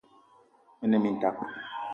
Me ne mintak